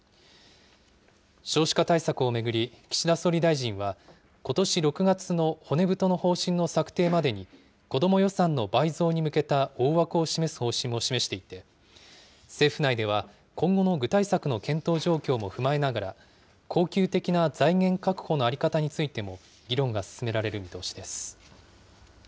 少子化対策を巡り、岸田総理大臣は、ことし６月の骨太の方針の策定までに、子ども予算の倍増に向けた大枠を示す方針も示していて、政府内では、今後の具体策の検討状況も踏まえながら、恒久的な財源確保の在り方についても議論が進められる見通しです。